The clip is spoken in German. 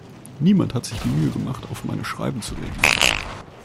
Niemand hat sich die Mühe gemacht, auf meine Schreiben zu reagieren.